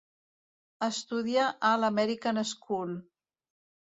Estudia a l'American School.